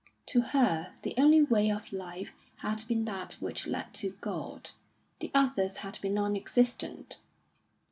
To her the only way of life had been that which led to God; the others had been non existent.